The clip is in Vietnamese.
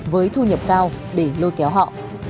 với thu nhập cao để lôi kéo họ